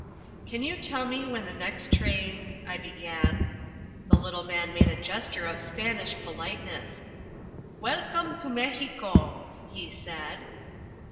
"Can you tell me when the next train ?" I began. The little man made a gesture of Spanish politeness. "Welcome to Mexico!" he said.